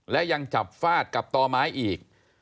และยังจับฟาดกับต่อไม้อีก